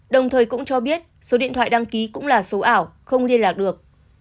đồng thời cũng cho biết số điện thoại đăng ký cũng là số ảo không liên lạc được